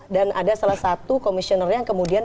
dan ada salah satu komisioner yang kemudian